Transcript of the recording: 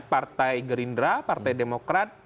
partai gerindra partai demokrat